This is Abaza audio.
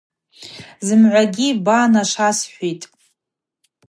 Зымгӏвагьи ба нашвасхӏвхитӏ.